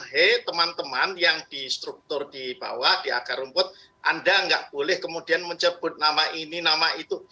hey teman teman yang di struktur di bawah di akar rumput anda nggak boleh kemudian menyebut nama ini nama itu